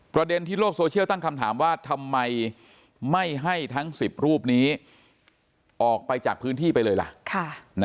ประเด็นที่โลกโซเชียลตั้งคำถามว่าทำไมไม่ให้ทั้ง๑๐รูปนี้ออกไปจากพื้นที่ไปเลยล่ะ